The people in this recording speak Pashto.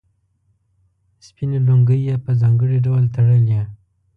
سپینې لونګۍ یې په ځانګړي ډول تړلې.